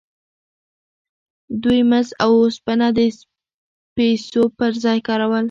دوی مس او اوسپنه د پیسو پر ځای کارول.